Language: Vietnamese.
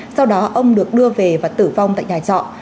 sau đó ông được đưa về và tử vong tại nhà trọ